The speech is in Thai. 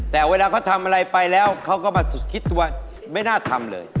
แต่เวลาเขาทำอะไรไปแล้วเขาก็มาสุดคิดตัวไม่น่าทำเลย